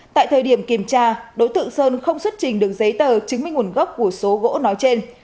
tại thời điểm kiểm tra đối tượng sơn không xuất trình được giấy tờ chứng minh nguồn gốc của số gỗ nói trên